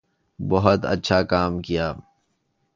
بہت اچھا کام کیا